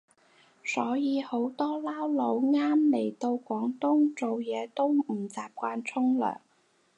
所以好多撈佬啱嚟到廣東做嘢都唔習慣沖涼